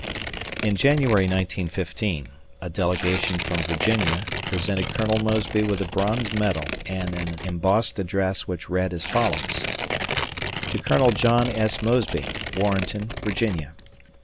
In January, 1915, a delegation from Virginia presented Colonel Mosby with a bronze medal and an embossed address which read as follows: To Colonel John S. Mosby, Warrenton, Virginia.